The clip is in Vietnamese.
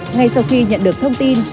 ngay sau khi nhận được thông tin